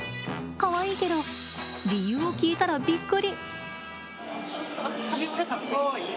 かわいいけれど理由を聞いたら、びっくり。